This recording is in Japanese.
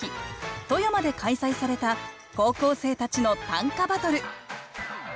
富山で開催された高校生たちの短歌バトル。